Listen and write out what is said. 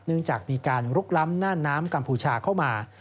จากมีการลุกล้ำน่านน้ำกัมพูชาเข้ามา